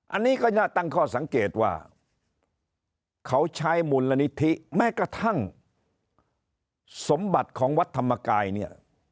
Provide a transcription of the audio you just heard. อันนี้ก็น่าตั้งข้อสังเกตว่าเขาใช้มูลนิธิแม้กระทั่งสมบัติของวัดธรรมกายเนี่ย